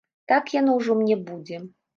Так яно ўжо мне будзе.